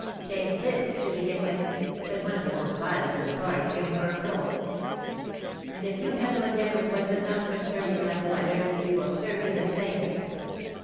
"Take this to begin with!" said one of the most violent of the party, giving her a blow. "And if you meddle again with what does not concern you, La Goualeuse, we will serve you the same."